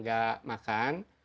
saya pikir itu masih agak